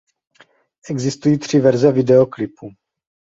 Existují tři verze videoklipu.